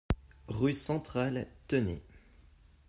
Rue Centrale, Tenay